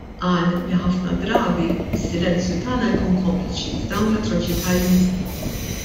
Qal li ħafna drabi s-silenzju tagħna jkun kompliċi f'dawn l-atroċitajiet.